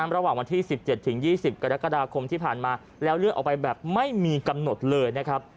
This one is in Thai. ระหว่างวันที่๑๗๒๐กรกฎาคมที่ผ่านมาแล้วเลือกออกไปแบบไม่มีกำหนดเลยนะครับ